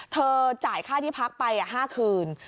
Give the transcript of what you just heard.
จ่ายค่าที่พักไป๕คืน